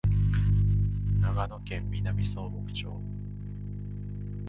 長野県南相木村